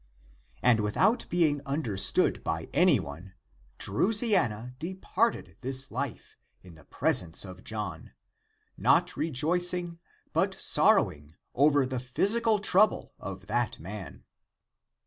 And without being understood by any one, Drusiana, departed this life in the presence of ACTS OF JOHN 163 John — not rejoicing but sorrowing over the phys ical trouble of that (man).